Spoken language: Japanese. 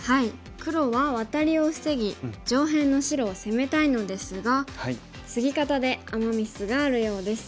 黒はワタリを防ぎ上辺の白を攻めたいのですがツギ方でアマ・ミスがあるようです。